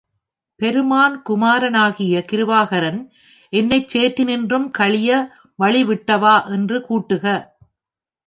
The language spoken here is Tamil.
பெருமான் குமாரனாகிய கிருபாகரன் என்னைச் சேற்றினின்றும் கழிய வழி விட்டவா என்று கூட்டுக.